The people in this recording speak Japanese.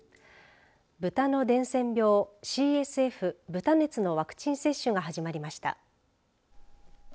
豚の伝染病ＣＳＦ、豚熱のワクチン接種が始まりました。